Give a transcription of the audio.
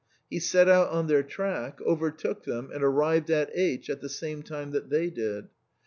He set out on their track, overtook them, and arrived at H at the same time that they did.